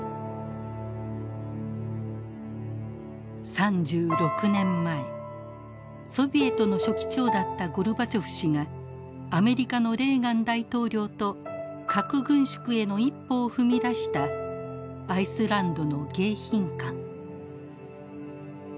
３６年前ソビエトの書記長だったゴルバチョフ氏がアメリカのレーガン大統領と核軍縮への一歩を踏み出したアイスランドの迎賓館。